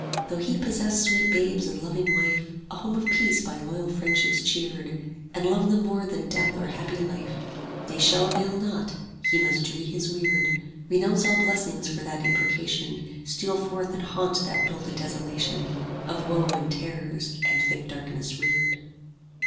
Though he possess sweet babes and loving wife, A home of peace by loyal friendships cheered, And love them more than death or happy life, They shall avail not; he must dree his weird; 25 Renounce all blessings for that imprecation, Steal forth and haunt that builded desolation, Of woe and terrors and thick darkness reared.